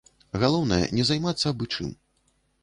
Галоўнае не займацца абы чым.